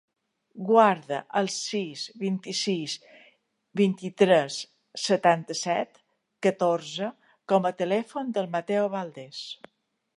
Guarda el sis, vint-i-sis, vint-i-tres, setanta-set, catorze com a telèfon del Mateo Valdes.